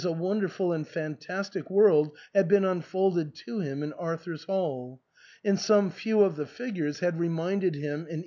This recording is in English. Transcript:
a wonderful and fan tastic world had been unfolded to him in Arthur's Hall, and some few of the figures had reminded him in ARTHUR'S HALL.